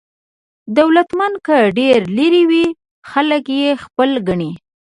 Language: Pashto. دولتمند که ډېر لرې وي، خلک یې خپل ګڼي.